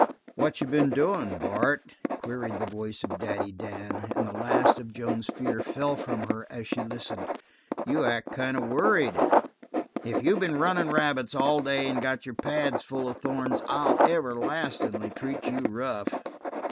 "What you been doin', Bart?" queried the voice of Daddy Dan, and the last of Joan's fears fell from her as she listened. "You act kind of worried. If you been runnin' rabbits all day and got your pads full of thorns I'll everlastin'ly treat you rough."